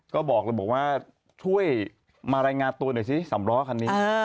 ก็บอกเลยบอกว่าช่วยมารายงานตัวหน่อยสิสำล้อคันนี้